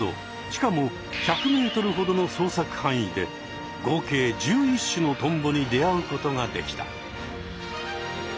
しかも１００ｍほどのそうさくはんいで合計１１種のトンボに出会うことができた。